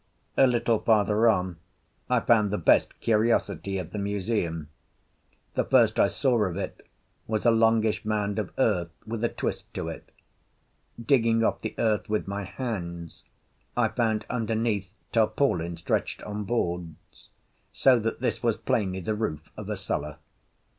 A little farther on I found the best curiosity of the museum. The first I saw of it was a longish mound of earth with a twist to it. Digging off the earth with my hands, I found underneath tarpaulin stretched on boards, so that this was plainly the roof of a cellar.